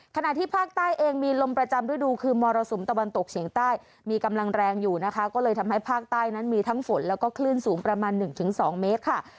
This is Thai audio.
ขณะที่ภาคใต้เองมีลมประจำฤดูคือมรสุมตะวันตกเฉียงใต้มีกำลังแรงอยู่นะคะก็เลยทำให้ภาคใต้นั้นมีทั้งฝนแล้วก็คลื่นสูงประมาณ๑๒เมตรค่ะ